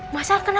mas al kenapa